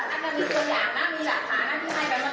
ปัดลองบริการกดชนอนรับหวัง